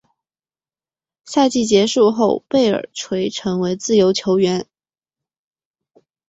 赛季结束后贝尔垂成为自由球员。